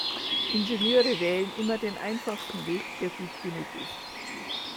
Ingenieure wählen immer den einfachsten Weg, der gut genug ist.